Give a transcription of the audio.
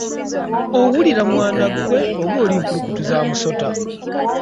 Owulira mwana gwe oba oli mpulukutu za musota?